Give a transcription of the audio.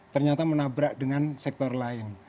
ternyata menabrak dengan sektor lain